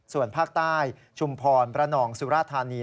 ส่วนภาคใต้ชุมพรประนองสุราธานี